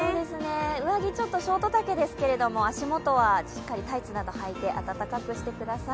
上着、ちょっとショート丈ですけれども足元はしっかりタイツなどはいて、暖かくしてください。